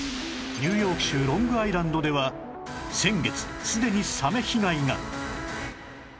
ニューヨーク州ロングアイランドでは先月すでにサメ被害が